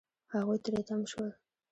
هغوی تری تم شول.